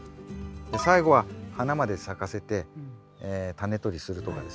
最後は花まで咲かせてタネとりするとかですね